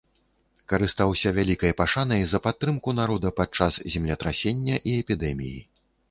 Карыстаўся вялікай пашанай за падтрымку народа падчас землетрасення і эпідэміі.